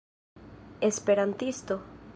esperantisto